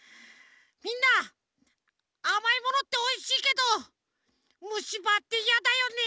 みんなあまいものっておいしいけどむしばっていやだよね。